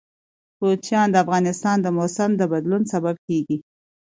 کوچیان د افغانستان د موسم د بدلون سبب کېږي.